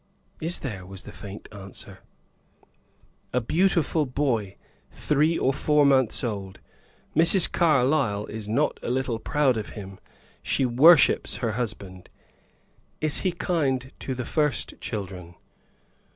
"Is there?" was the faint answer. "A beautiful boy three or four months old. Mrs. Carlyle is not a little proud of him. She worships her husband." "Is she kind to the first children?"